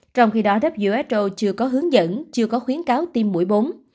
trong khi đó who chưa có hướng dẫn chưa có khuyến cáo tiêm mũi bốn